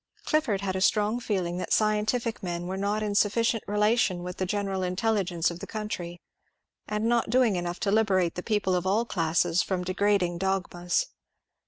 Clifford had a strong feeling that scientific men were not in sufficient relation with the general inteUigence of the country, and not doing enough to liberate the people of all classes from degrading dogmas.